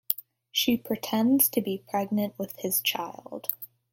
She pretends to be pregnant with his child.